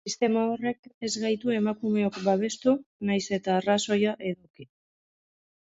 Sistema horrek ez gaitu emakumeok babestu, nahiz eta arrazoia eduki.